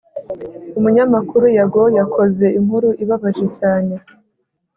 umunyamakuru Yago yakoze inkuru ibabaje cyane